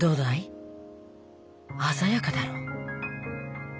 鮮やかだろ。